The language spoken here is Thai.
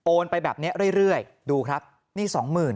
โอนไปแบบเนี่ยเรื่อยดูครับนี่๒๐๐๐๐